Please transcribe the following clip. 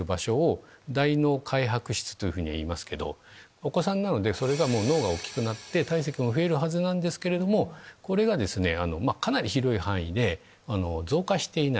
お子さんなので脳が大きくなって体積も増えるはずなんですけれどもこれがかなり広い範囲で増加していない。